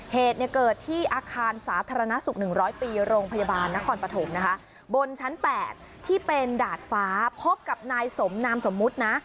เหตุเกิดที่อาคารสาธารณสุข๑๐๐ปีโรงพยาบาลนครปฐมนะคะบนชั้น๘ที่เป็นดาดฟ้าพบกับนายสมนามสมมุตินะ